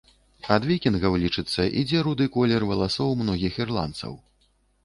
Ад вікінгаў, лічыцца, ідзе руды колер валасоў многіх ірландцаў.